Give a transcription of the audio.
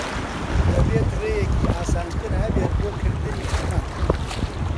دەبێت ڕێیەکی ئاسانتر ھەبێت بۆ کردنی ئەمە.